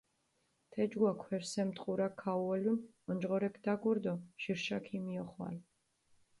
თეჯგურა ქვერსემ ტყურაქ ქაუოლუნ, ონჯღორექ დაგურჷ დო ჟირშა ქომიოხვალ.